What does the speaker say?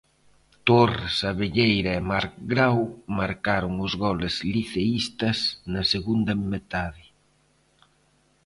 Torres, Abelleira e Marc Grau marcaron os goles liceístas na segunda metade.